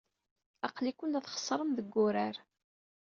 Aql-iken la txeṣṣrem deg wurar.